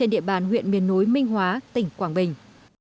địa bàn huyện miền nối minh hóa tỉnh quảng bình